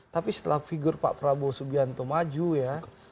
tapi setelah figur pak prabowo subianto maju ya